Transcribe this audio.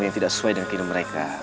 yang tidak sesuai dengan kirim mereka